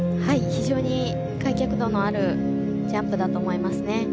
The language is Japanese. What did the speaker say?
非常に開脚度のあるジャンプだと思います。